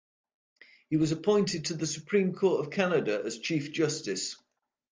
He was appointed to the Supreme Court of Canada as Chief Justice.